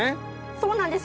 そうなんです。